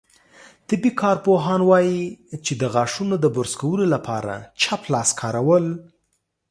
طبي کارپوهان وايي، چې د غاښونو د برس کولو لپاره چپ لاس کارول